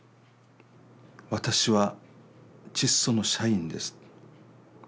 「私はチッソの社員です。